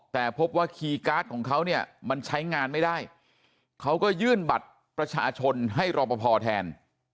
แต่พบว่าคีย์การ์ดของเขาเนี่ยมันใช้งานไม่ได้เขาก็ยื่นบัตรประชาชนให้รอปภแทน